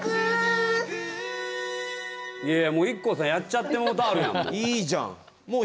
いやいやもうＩＫＫＯさんやっちゃってもうたあるやん。